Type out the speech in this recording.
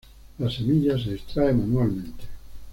La semilla se extrae manualmente.